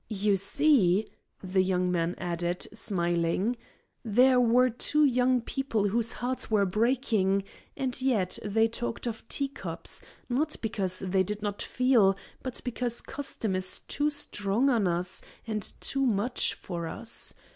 You see," the young man added, smiling, "there were two young people whose hearts were breaking, and yet they talked of teacups, not because they did not feel, but because custom is too strong on us and too much for us.